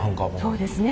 そうですね。